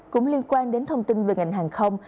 cũng liên quan đến thông tin về ngành hàng không